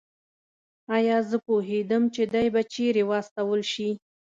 ایا زه پوهېدم چې دی به چېرې واستول شي؟